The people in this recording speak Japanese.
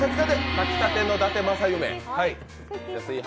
炊きたてのだて正夢。